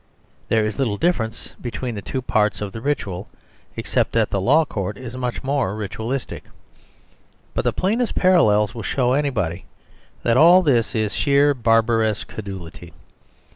There is little difference between the two parts of the ritual; except that the law court is much more ritualistic. But the plainest parallels will show anybody that all this is sheer barbarous credulity.